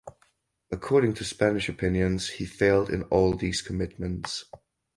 According to Spanish opinions he failed in all these commitments.